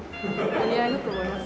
お似合いだと思います。